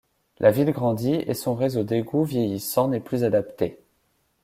La ville grandit et son réseau d'égouts vieillissant n'est plus adapté.